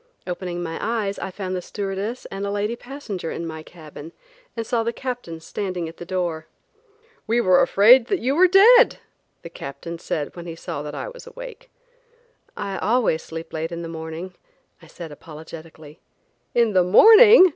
Opening my eyes I found the stewardess and a lady passenger in my cabin and saw the Captain standing at the door. "We were afraid that you were dead," the Captain said when he saw that I was awake. "I always sleep late in the morning," I said apologetically. "In the morning!"